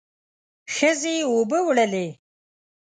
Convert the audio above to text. ښځې اوبه وړلې.